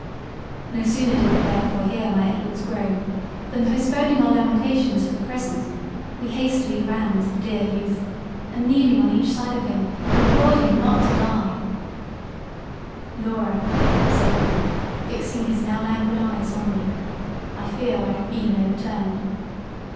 No sooner did we therefore hear my Edward's groan than postponing our lamentations for the present, we hastily ran to the Dear Youth and kneeling on each side of him implored him not to die—. "Laura (said He fixing his now languid Eyes on me) I fear I have been overturned."